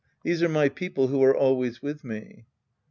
These are my people who are always with me.